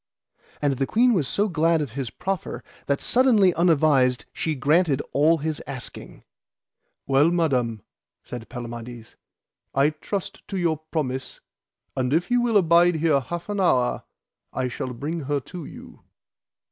And the queen was so glad of his proffer that suddenly unadvised she granted all his asking. Well, Madam, said Palamides, I trust to your promise, and if ye will abide here half an hour I shall bring her to you.